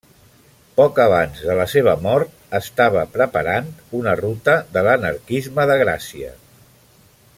Poc abans de la seva mort, estava preparant una ruta de l'anarquisme de Gràcia.